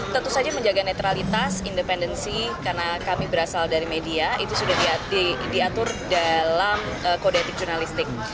tentu saja menjaga netralitas independensi karena kami berasal dari media itu sudah diatur dalam kode etik jurnalistik